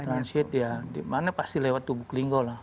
kota transit ya dimana pasti lewat lubuk linggo lah